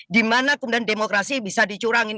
di mana kemudian demokrasi bisa dicurangin